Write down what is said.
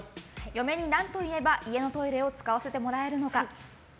嫁に何て言えば家のトイレを使わせてもらえるのか。